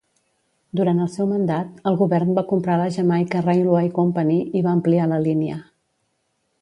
Durant el seu mandat, el govern va comprar la Jamaica Railway Company i va ampliar la línia.